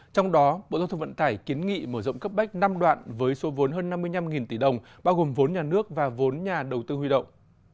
trong đó bộ giao thông vận tải kiến nghị mở rộng cấp bách năm đoạn với số vốn hơn năm mươi năm tỷ đồng bao gồm vốn nhà nước và vốn nhà đầu tư huy động